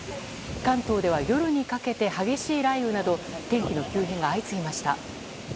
関東では夜にかけて激しい雷雨など天気の急変が相次ぎました。